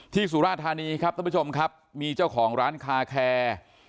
สุราธานีครับท่านผู้ชมครับมีเจ้าของร้านคาแคร์